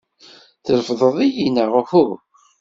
Trefdeḍ-iyi neɣ uhu?